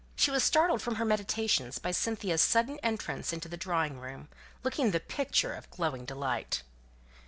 She was startled from her meditations by Cynthia's sudden entrance into the drawing room, looking the picture of glowing delight.